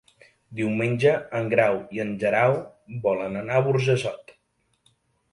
Diumenge en Grau i en Guerau volen anar a Burjassot.